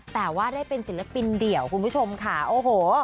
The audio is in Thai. แต่ว่าได้เป็นศิลปินเดี่ยวคุณผู้ชมค่ะโอ้โห